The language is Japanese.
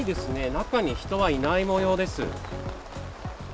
中に人はいないもようです。